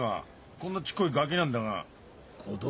こんなちっこいガキなんだが。